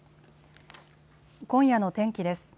今夜の天気です。